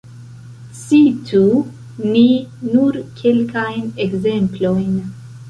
Citu ni nur kelkajn ekzemplojn.